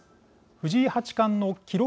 藤井八冠の記録